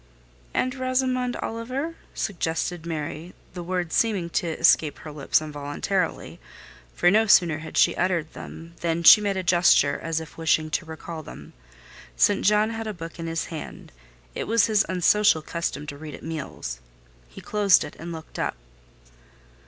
"And Rosamond Oliver?" suggested Mary, the words seeming to escape her lips involuntarily: for no sooner had she uttered them, than she made a gesture as if wishing to recall them. St. John had a book in his hand—it was his unsocial custom to read at meals—he closed it, and looked up.